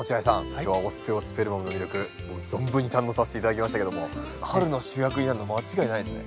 今日はオステオスペルマムの魅力存分に堪能させて頂きましたけども春の主役になるの間違いないですね。